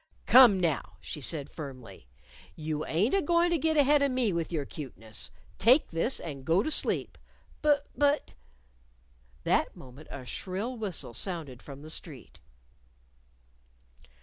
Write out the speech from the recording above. "Come, now!" she said firmly. "You ain't a goin' to git ahead of me with your cuteness. Take this, and go to sleep." "Bu but " That moment a shrill whistle sounded from the street.